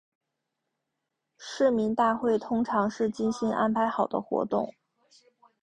市民大会通常是精心安排好的活动。